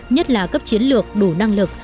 nhất là cấp chiến lược đủ năng lực